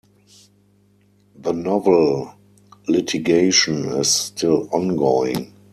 The Novell litigation is still ongoing.